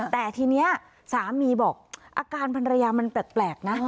แต่ทีนี้สามีบอกอาการภรรยามันแปลกนะ